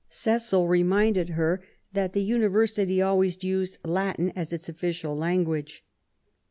Cecil reminded her that the University always used Latin as its official language.